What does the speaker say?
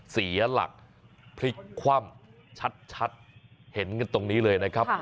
เสียหลักพลิกคว่ำชัดเห็นกันตรงนี้เลยนะครับ